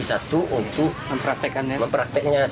satu untuk mempraktekannya